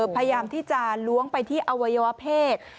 พยายามที่จะล้วงไปที่อวัยวเพศ